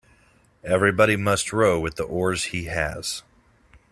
Everybody must row with the oars he has.